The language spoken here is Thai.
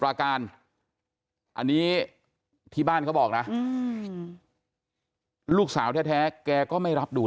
แข็งแข็งแข็งแข็งแข็งแข็งแข็งแข็งแข็ง